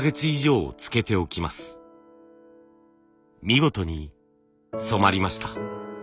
見事に染まりました。